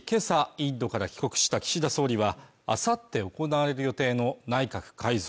インドから帰国した岸田総理はあさって行われる予定の内閣改造